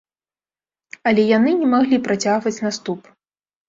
Але яны не маглі працягваць наступ.